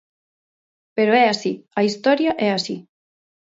Pero é así, a historia é así.